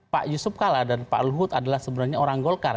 pak yusuf kala dan pak luhut adalah sebenarnya orang golkar